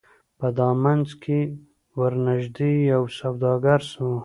په دامنځ کي ورنیژدې یو سوداګر سو